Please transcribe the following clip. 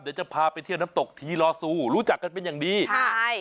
เดี๋ยวจะพาไปเที่ยวน้ำตกทีลอซูรู้จักกันเป็นอย่างดีใช่